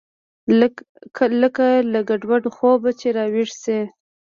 لکه له ګډوډ خوبه چې راويښ سې.